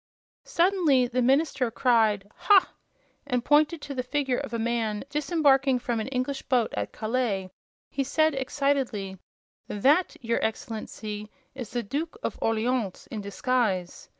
Suddenly the minister cried, "Ha!" and, pointing to the figure of a man disembarking from an English boat at Calais, he said, excitedly: "That, your Excellency, is the Duke of Orleans, in disguise!